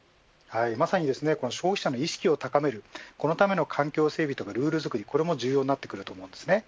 まさに、消費者の意識を高めるそのための環境整備とルール作りも重要になってくると思います。